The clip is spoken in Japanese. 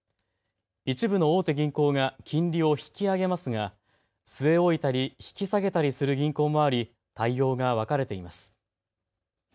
一部の大手銀行が金利を引き上げますが据え置いたり引き下げたりする銀行もあり対応が分かれています。